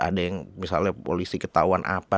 ada yang misalnya polisi ketahuan apa